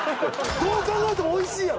「どう考えてもおいしいやろ！